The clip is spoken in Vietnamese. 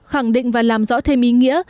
khẳng định và làm rõ thêm ý nghĩa